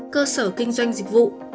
cơ sở kinh doanh dịch vụ